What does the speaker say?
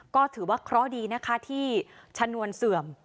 ก็ถือว่าเคราะห์ดีนะคะที่ชนวนเสื่อม